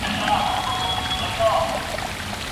هغه خواړه ولي بد دي چي يوازې شتمن ورته رابلل سوي وي؟